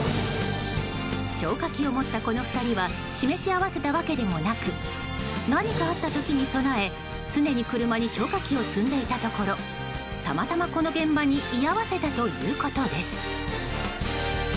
消火器を持った、この２人は示し合わせたわけでもなく何かあった時に備え、常に車に消火器を積んでいたところたまたま、この現場に居合わせたということです。